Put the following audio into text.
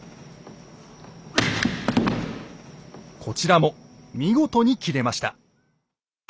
こちらも見事に斬れました。